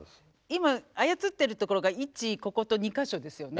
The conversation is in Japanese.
今操ってるところが１ここと２か所ですよね。